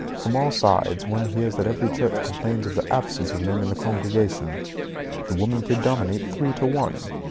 From all sides, one hears that every church complains of the absence of men in the congregations. The women predominate three to one.